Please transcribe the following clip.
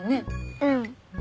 うん。